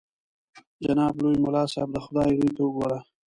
جناب لوی ملا صاحب د خدای روی ته وګوره.